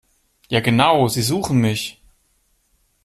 Ja genau, Sie suchen mich!